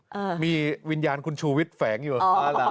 เอ้ออ๋อะมีวิญญาณคุณชูวิชแฝงอยู่